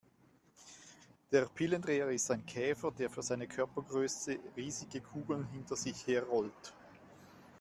Der Pillendreher ist ein Käfer, der für seine Körpergröße riesige Kugeln hinter sich her rollt.